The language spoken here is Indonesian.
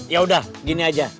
ya udah gini aja